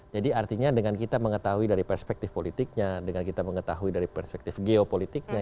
jadi artinya dengan kita mengetahui dari perspektif politiknya dengan kita mengetahui dari perspektif geopolitiknya